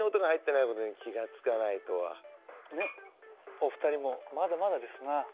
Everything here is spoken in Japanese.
お二人もまだまだですな。